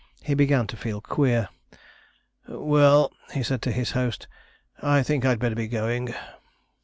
He began to feel queer. 'Well,' said he to his host, 'I think I'd better be going.'